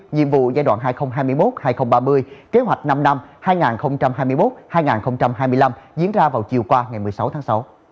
nhiệm vụ giai đoạn hai nghìn hai mươi một hai nghìn ba mươi kế hoạch năm năm hai nghìn hai mươi một hai nghìn hai mươi năm diễn ra vào chiều qua ngày một mươi sáu tháng sáu